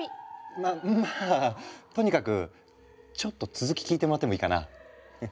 ままあとにかくちょっと続き聞いてもらってもいいかな？